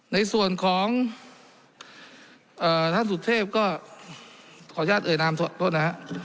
ในส่วนของท่านสุเทพก็ขออนุญาตเอ่ยนามโทษนะฮะ